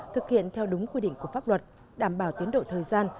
thực hiện theo đúng quy định của pháp luật đảm bảo tiến độ thời gian